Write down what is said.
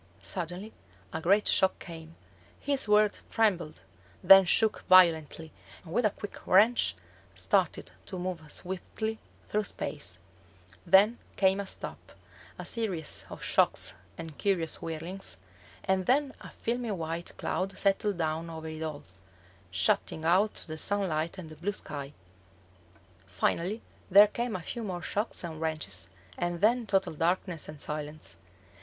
Suddenly a great shock came: his World trembled, then shook violently, and, with a quick wrench, started to move swiftly through space. Then came a stop, a series of shocks and curious whirlings, and then a filmy white cloud settled down over it all, shutting out the sunlight and the blue sky. Finally there came a few more shocks and wrenches, and then total darkness and silence.